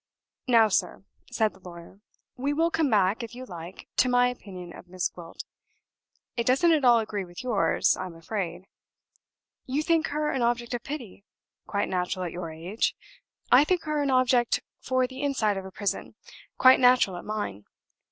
"Now, sir," said the lawyer, "we will come back, if you like, to my opinion of Miss Gwilt. It doesn't at all agree with yours, I'm afraid. You think her an object of pity quite natural at your age. I think her an object for the inside of a prison quite natural at mine.